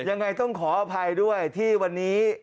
ยังไงต้องขออภัยด้วยที่วันนี้